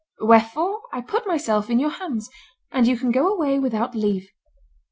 Wherefore, I put myself in your hands, and you can go away without leave.